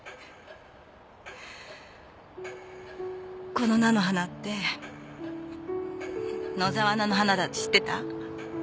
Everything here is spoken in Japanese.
この菜の花って野沢菜の花だって知ってた？